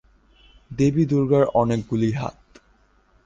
দেবী দুর্গার অনেকগুলি হাত।